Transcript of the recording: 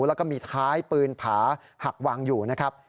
แล้วก็มีท้ายปืนผาหักวางอยู่นะครับ